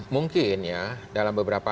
mungkin ya dalam beberapa